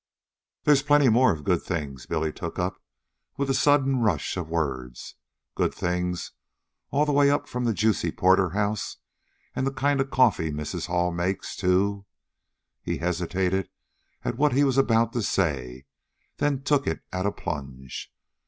"They's plenty more of the good things," Billy took up with a sudden rush of words. "Good things all the way up from juicy porterhouse and the kind of coffee Mrs. Hall makes to...." He hesitated at what he was about to say, then took it at a plunge.